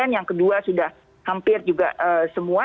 yang kedua sudah hampir juga semua